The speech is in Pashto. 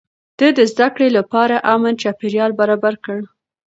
ده د زده کړې لپاره امن چاپېريال برابر کړ.